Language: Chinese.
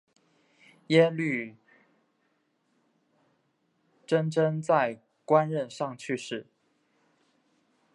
耶律铎轸在官任上去世。